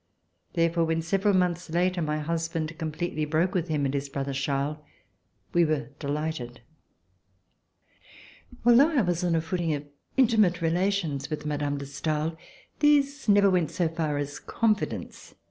Therefore, when several months later my husband completely broke with him and his brother Charles, we were delighted. Although I was on a footing of intimate relations with Mme. de Stael, these never went so far as confidence In her.